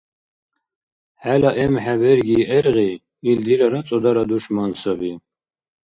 ХӀела эмхӀе берги гӀергъи, ил дилара цӀудара душман саби.